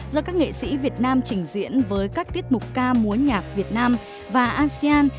do các nghệ sĩ việt nam trình diễn với các tiết mục ca múa nhạc việt nam và asean